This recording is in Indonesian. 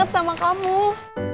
aku seneng kamu di sini